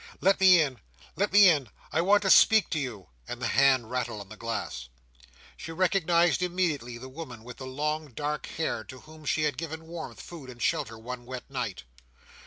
"Let me in! Let me in! I want to speak to you!" and the hand rattled on the glass. She recognised immediately the woman with the long dark hair, to whom she had given warmth, food, and shelter, one wet night.